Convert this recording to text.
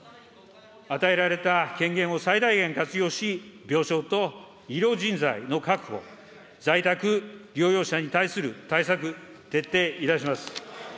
与えられた権限を最大限活用し、病床と医療人材の確保、在宅療養者に対する対策、徹底いたします。